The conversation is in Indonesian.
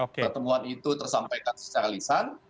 pertemuan itu tersampaikan secara lisan